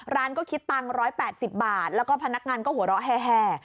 ร้านก็คิดตังค์๑๘๐บาทแล้วก็พนักงานก็หัวเราะแห่